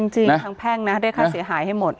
จริงทางแพ่งนะเรียกค่าเสียหายให้หมด